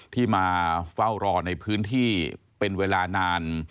ที่มาเฝ้ารอในพื้นที่เป็นเวลานาน